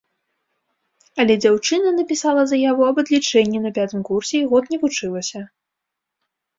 Але дзяўчына напісала заяву аб адлічэнні на пятым курсе і год не вучылася.